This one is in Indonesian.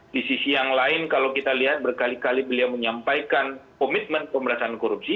di sisi yang lain kalau kita lihat berkali kali beliau menyampaikan komitmen pemerintahan korupsi